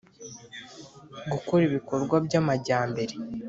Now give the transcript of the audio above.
Gukora ibikorwa by amajyambere